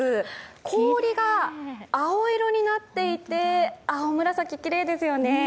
氷が青色になっていて、青紫、きれいですよね。